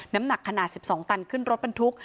น้ำหนักขนาด๑๒ตันขึ้นรถบรรทุก